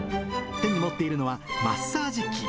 手に持っているのはマッサージ器。